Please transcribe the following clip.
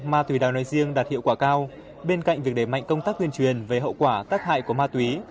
ma túy đá nói riêng đạt hiệu quả cao bên cạnh việc để mạnh công tác tuyên truyền về hậu quả tác hại của ma túy